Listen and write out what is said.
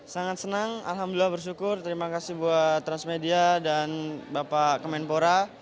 sangat senang alhamdulillah bersyukur terima kasih buat transmedia dan bapak kemenpora